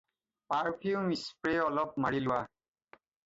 Perfume spray আলপ মাৰি লোৱা।